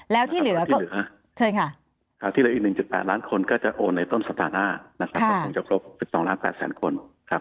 แล้วที่เหลือ๑๘ล้านคนก็จะโอนในต้นสัปดาห์หน้าจะครบ๒๘ล้านคน